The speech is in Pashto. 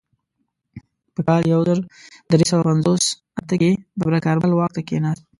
په کال یو زر درې سوه پنځوس اته کې ببرک کارمل واک ته کښېناست.